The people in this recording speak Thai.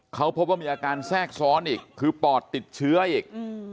เขาพบว่ามีอาการแทรกซ้อนอีกคือปอดติดเชื้ออีก